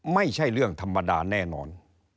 ไม่ใช่เรื่องธรรมดาแน่นอน